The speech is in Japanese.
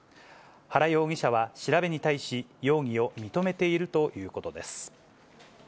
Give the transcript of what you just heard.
原容疑者は、調べに対し、容疑を認めているということです。